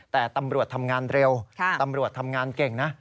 แต่ตำรวจทำงานเร็วตำรวจทำงานเก่งนะ